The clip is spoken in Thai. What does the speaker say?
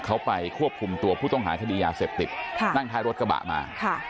เขาไปควบคุมตัวผู้ต้องหาคดียาเสพติดนั่งท้ายรถกระบะมา